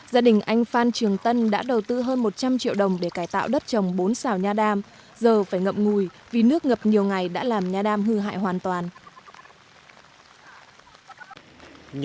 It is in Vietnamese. gia đình anh phan trường tân đã đầu tư hơn một trăm linh triệu đồng để cải tạo đất trồng bốn xào nha đam giờ phải ngậm ngùi vì nước ngập nhiều ngày đã làm nha đam hư hại hoàn toàn